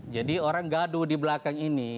jadi orang gaduh di belakang ini